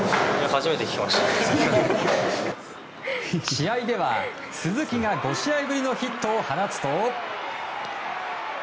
試合では鈴木が５試合ぶりのヒットを放つと。